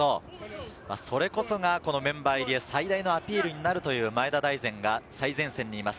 それこそがメンバー入りへ最大のアピールになるという前田大然が最前線にいます。